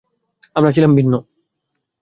আমরা ছিলাম ভিন্ন।